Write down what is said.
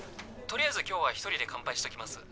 ☎とりあえず今日は一人で乾杯しときます